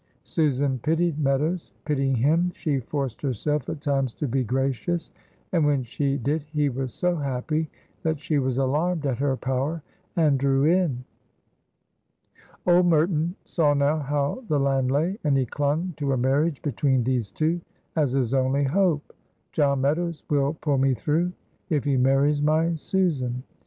Susan pitied Meadows. Pitying him, she forced herself at times to be gracious, and when she did he was so happy that she was alarmed at her power and drew in. Old Merton saw now how the land lay, and he clung to a marriage between these two as his only hope. "John Meadows will pull me through, if he marries my Susan."